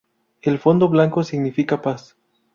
El fondo blanco significa paz.